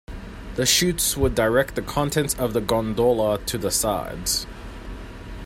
The chutes would direct the contents of the gondola to the sides.